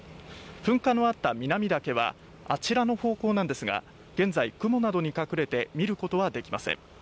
噴火のあった南岳はあちらの方向なんですが、現在、雲などに隠れて見ることはできません。